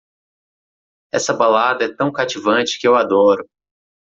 Essa balada é tão cativante que eu adoro!